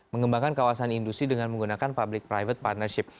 mengembangkan kawasan industri dengan menggunakan public private partnership